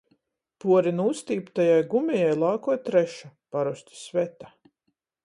Puori nūstīptajai gumejai lākoj treša, parosti Sveta.